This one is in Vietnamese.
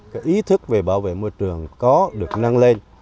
cái ý thức về bảo vệ môi trường có được năng lên